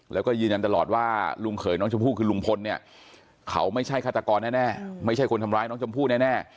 แล้วก็ยืนยันตลอดว่าลุงเขยน้องชมพู่คือลุงพลเนี่ยเขาไม่ใช่ฆาตกรแน่ไม่ใช่คนทำร้ายน้องชมพู่แน่